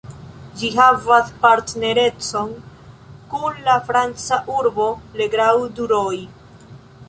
Ĝi havas partnerecon kun la franca urbo Le Grau du Roi.